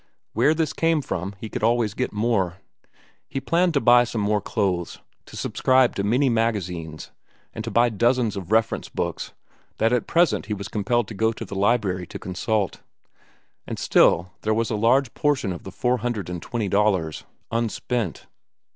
Where this came from he could always get more. He planned to buy some more clothes, to subscribe to many magazines, and to buy dozens of reference books that at present he was compelled to go to the library to consult. And still there was a large portion of the four hundred and twenty dollars unspent.